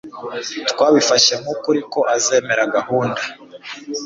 twabifashe nk'ukuri ko azemera gahunda